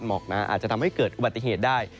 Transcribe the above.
หมอกหนาอาจจะทำให้เกิดอุบัติเหตุได้